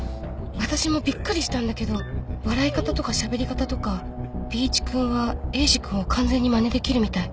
あたしもびっくりしたんだけど笑い方とかしゃべり方とかＢ一君はエイジ君を完全にまねできるみたい。